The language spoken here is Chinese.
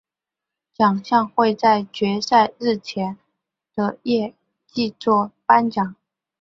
奖项会在决赛日前的夜祭作颁奖。